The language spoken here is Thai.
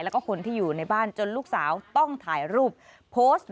แล้วก็คนที่อยู่ในบ้านจนลูกสาวต้องถ่ายรูปโพสต์